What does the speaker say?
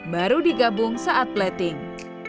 baru digabung saat plating